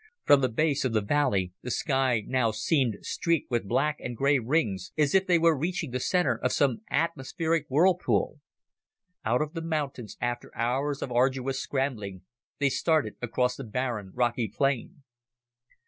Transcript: From the base of the valley the sky now seemed streaked with black and gray rings, as if they were reaching the center of some atmospheric whirlpool. Out of the mountains, after hours of arduous scrambling, they started across the barren rocky plain.